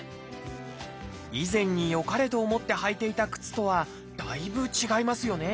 以前によかれと思って履いていた靴とはだいぶ違いますよね